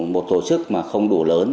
một tổ chức mà không đủ lớn